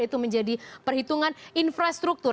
itu menjadi perhitungan infrastruktur